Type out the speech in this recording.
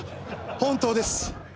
本当です。